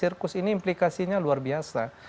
ini implikasinya luar biasa